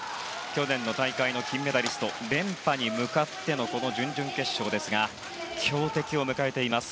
去年の大会の金メダリスト連覇に向かっての準々決勝ですが強敵を迎えています。